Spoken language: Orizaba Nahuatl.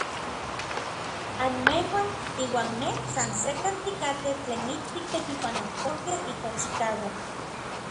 Anmejuan iuan nej san sekkan tikatej tlen ik titekipanojtokej ika chikauak.